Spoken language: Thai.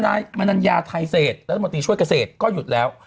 นายมนัญญาไทยเศษรัฐมนตรีช่วยเกษตรก็หยุดแล้ว